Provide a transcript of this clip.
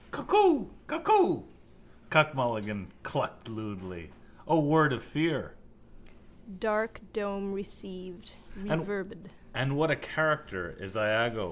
—Cuckoo! Cuckoo! Cuck Mulligan clucked lewdly. O word of fear! Dark dome received, reverbed. —And what a character is Iago!